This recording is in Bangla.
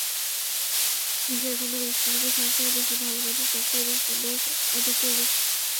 দেশে এখনো দেশপ্রেমিকের সংখ্যাই বেশি, ভালো মানুষের সংখ্যাই বেশি, সুন্দরের আধিক্যই বেশি।